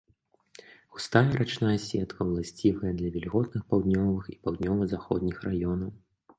Густая рачная сетка ўласцівая для вільготных паўднёвых і паўднёва-заходніх раёнаў.